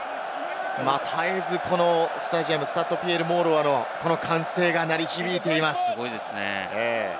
絶えずスタジアム、スタッド・ピエール・モーロイの歓声が鳴り響いています。